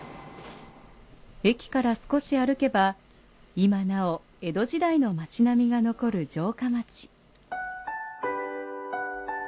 駅から少し歩けば今なお江戸時代の町並みが残る城下町。